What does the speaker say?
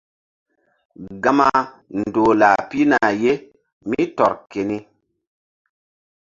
Gama ndoh lah pihna ye mí ke tɔr keni.